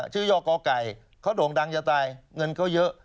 ย่อกไก่เขาโด่งดังจะตายเงินเขาเยอะ